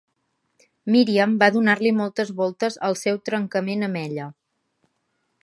Miriam va donar-li moltes voltes al seu trencament amb ella.